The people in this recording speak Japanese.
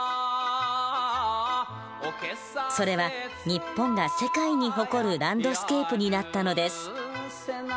それは日本が世界に誇るランドスケープになったのです。